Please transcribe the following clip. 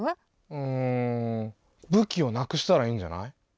うん武器をなくしたらいいんじゃない？